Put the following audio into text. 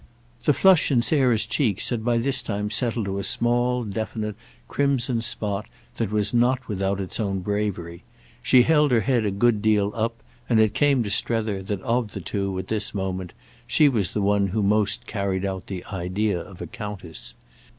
The flush in Sarah's cheeks had by this time settled to a small definite crimson spot that was not without its own bravery; she held her head a good deal up, and it came to Strether that of the two, at this moment, she was the one who most carried out the idea of a Countess.